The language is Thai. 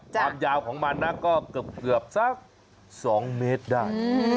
ความยาวของมันนะก็เกือบสัก๒เมตรได้